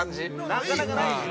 ◆なかなかない。